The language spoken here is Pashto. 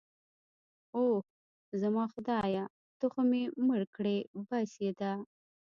اوه، زما خدایه ته خو مې مړ کړې. بس يې ده.